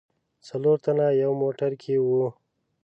څلور تنه یو موټر کې و.